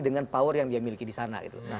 dengan power yang dia miliki disana gitu